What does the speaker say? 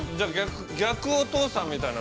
◆逆お父さんみたいな。